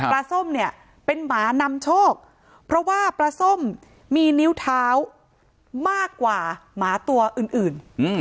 ส้มเนี่ยเป็นหมานำโชคเพราะว่าปลาส้มมีนิ้วเท้ามากกว่าหมาตัวอื่น